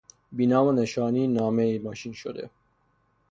بی نام و نشانی نامهای ماشین شده